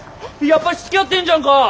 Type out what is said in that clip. やっぱりつきあってんじゃんか！